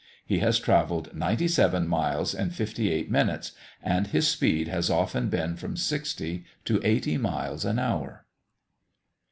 He has travelled ninety seven miles in fifty eight minutes, and his speed has often been from sixty to eighty miles an hour.